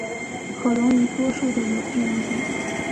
可溶于多数有机溶剂。